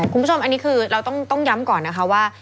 คุณผู้ชมอันนี้คือเราต้องย้ำก่อนนะคะว่า